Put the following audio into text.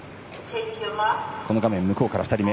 この画面、向こうから２人目。